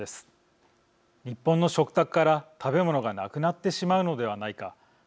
日本の食卓から食べ物がなくなってしまうのではないか。